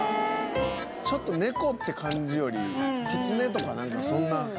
ちょっとネコって感じよりキツネとかなんかそんな。